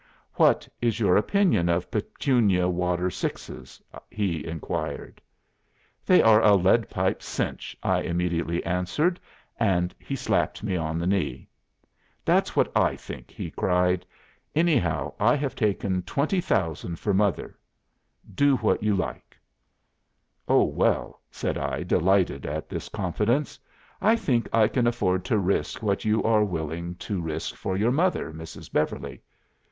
"'What is your opinion of Petunia Water sixes?' he inquired." "'They are a lead pipe cinch,' I immediately answered; and he slapped me on the knee." "'That's what I think!' he cried. 'Anyhow, I have taken 20,000 for mother. Do what you like.'" "'Oh well,' said I, delighted at this confidence, I think I can afford to risk what you are willing to risk for your mother, Mrs. Beverly.